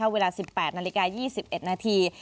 เวลา๑๘นาฬิกา๒๑นาที